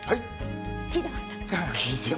聞いてました？